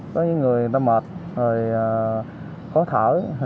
có những người người ta mệt khó thở